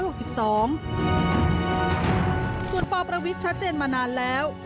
ส่วนปประวิทย์ชัดเจนมานานแล้ว